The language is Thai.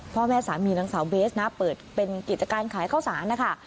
พ่อแม่สามีนางสาวเบสนะเปิดเป็นกิจการขายข้าวสารนะคะ